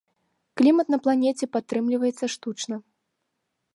Клімат на планеце падтрымліваецца штучна.